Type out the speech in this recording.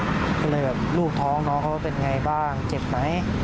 ก็เลยแบบลูกท้องน้องเขาเป็นไงบ้างเจ็บไหม